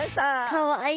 かわいい。